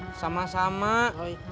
nyrada saat ini